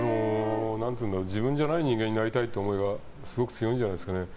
自分じゃない人間になりたいという思いがすごく強いんじゃないですかね。